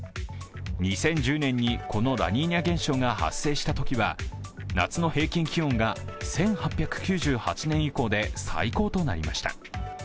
２０１０年にこのラニーニャ現象が発生したときは夏の平均気温が１８９８年以降で最高となりました。